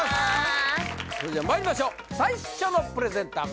それじゃまいりましょう最初のプレゼンター